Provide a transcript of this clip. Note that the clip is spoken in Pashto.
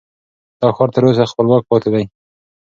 دا ښار تر اوسه خپلواک پاتې دی.